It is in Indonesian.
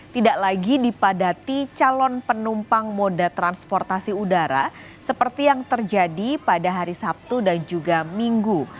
tidak lagi dipadati calon penumpang moda transportasi udara seperti yang terjadi pada hari sabtu dan juga minggu